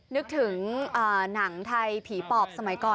นึกถึงหนังไทยผีปอบสมัยก่อน